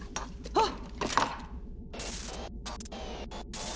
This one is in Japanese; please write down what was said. あっ！